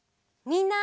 みんな！